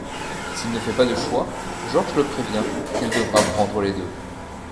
S'il ne fait pas de choix, George le prévient qu'il devra prendre les deux.